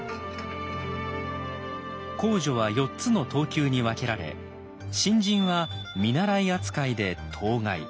工女は４つの等級に分けられ新人は見習い扱いで等外。